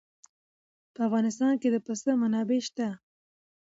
په افغانستان کې د پسه منابع شته.